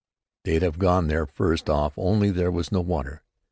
They'd have gone there first off only there was no water.